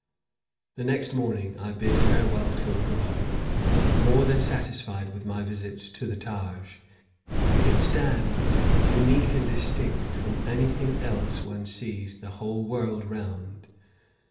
The next morning I bid farewell to Agra, more than satisfied with my visit to the Taj. It stands unique and distinct from anything else one sees the whole world round.